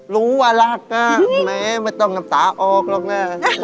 รู้ว่าหลักน่ะไม่ต้องกำสาออกหรอกน่ะ